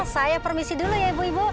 saya permisi dulu ya ibu ibu